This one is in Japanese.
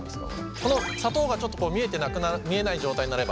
この砂糖がちょっと見えてなくなる見えない状態になれば。